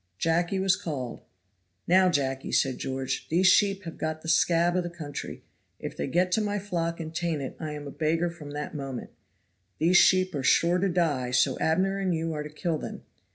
Jacky was called. "Now, Jacky," said George, "these sheep have got the scab of the country; if they get to my flock and taint it I am a beggar from that moment. These sheep are sure to die, so Abner and you are to kill them.